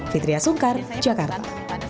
fitriah sungkar jakarta